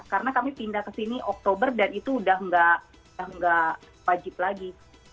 karena kami pindah ke sini oktober dan itu udah gak wajib lagi